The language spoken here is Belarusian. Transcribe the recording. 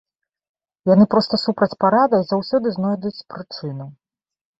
Яны проста супраць парада і заўсёды знойдуць прычыну.